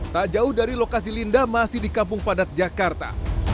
sejauh dari lokasi linda masih di kampung padat jakarta